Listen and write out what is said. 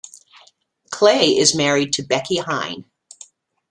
Clay is married to Becki Hine.